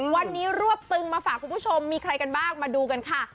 วันนี้รวบตึงมาฝากคุณผู้ชมมีใครกันบ้างมาดูกันค่ะ